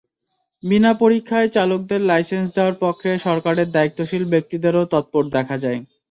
বিনা পরীক্ষায় চালকদের লাইসেন্স দেওয়ার পক্ষে সরকারের দায়িত্বশীল ব্যক্তিদেরও তৎপর দেখা যায়।